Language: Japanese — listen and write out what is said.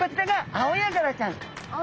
アオヤガラちゃん。